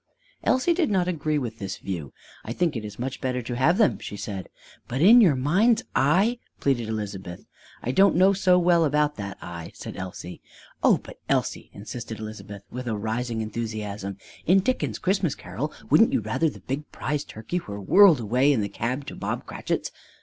Elsie did not agree with this view. "I think it is much better to have them," she said. "But in your mind's eye " pleaded Elizabeth. "I don't know so well about that eye!" said Elsie. "Oh, but, Elsie," insisted Elizabeth with a rising enthusiasm, "in Dickens' Christmas Carol wouldn't you rather the big prize turkey were whirled away in the cab to the Bob Cratchits?"